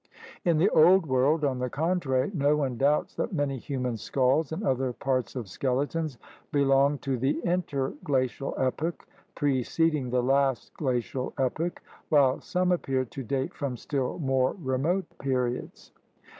In the Old World, on the contrary, no one doubts that many human skulls and other parts of skeletons belong to the interglacial epoch preceding the last glacial epoch, while some appear to date from still more remote periods.